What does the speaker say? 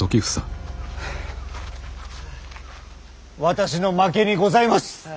私の負けにございます。